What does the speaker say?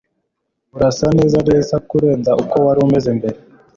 Urasa neza neza kurenza uko wari umeze mbere.